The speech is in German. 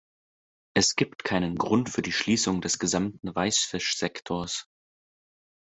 Es gibt keinen Grund für die Schließung des gesamten Weißfischsektors.